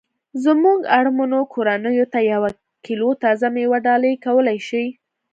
زمونږ اړمنو کورنیوو ته یوه کیلو تازه میوه ډالۍ کولای شي